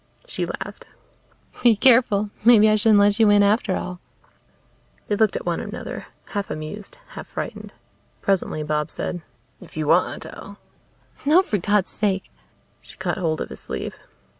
She laughed. "Be careful! Maybe I shouldn't let you in after all." They looked at one another, half amused half frightened. Presently Bob said, "If you want, I'll " "No, for God's sake." She caught hold of his sleeve.